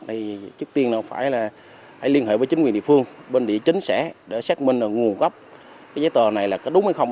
thì trước tiên là phải là hãy liên hệ với chính quyền địa phương bên địa chính sẽ để xét minh là nguồn gốc giấy tờ này là có đúng hay không